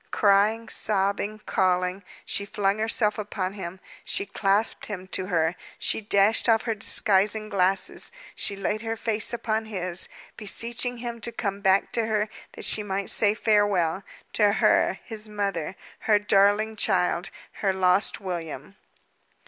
Crying, sobbing, calling, she flung herself upon him; she clasped him to her; she dashed off her disguising glasses; she laid her face upon his, beseeching him to come back to her, that she might say farewell to her, his mother; her darling child, her lost William!